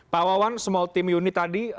pak wawan small team unit tadi